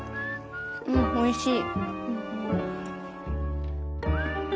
うんおいしい。